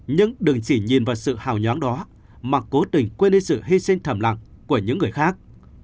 nhưng đừng chỉ nhìn vào sự hào nhoáng đó mà cố tình quên đi sự hy sinh thầm lặng của những người khác